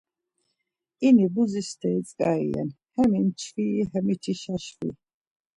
İni buzi steri tzk̆ari ren, hem imçviri, hemiti şa şvi.